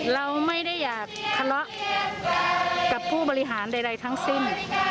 เราไม่ได้อยากทะเลาะกับผู้บริหารใดทั้งสิ้น